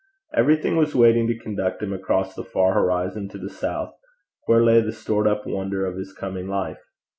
Everything was waiting to conduct him across the far horizon to the south, where lay the stored up wonder of his coming life.